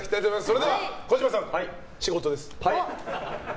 それでは児嶋さん、仕事です。